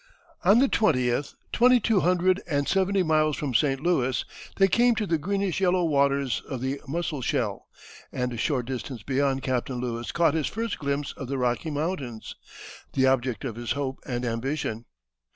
On the 20th, twenty two hundred and seventy miles from St. Louis, they came to the greenish yellow waters of the Musselshell, and a short distance beyond Captain Lewis caught his first glimpse of the Rocky Mountains, the object of his hope and ambition.